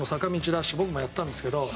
ダッシュ僕もやったんですけど